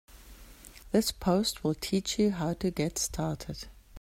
This post will teach you how to get started.